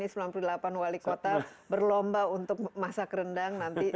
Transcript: karena ini luar biasa sembilan puluh delapan wali kota berlomba untuk masak rendang